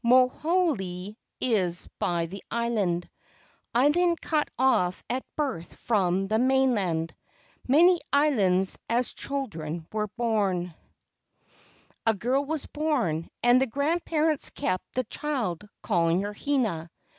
Mohoalii is by the island, Island cut off at birth from the mainland; Many islands as children were bom." A girl was born, and the grandparents kept the child, calling her Hina.